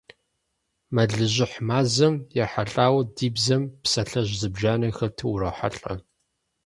Мэлыжьыхь мазэм ехьэлӀауэ ди бзэм псалъэжь зыбжанэ хэту урохьэлӀэ.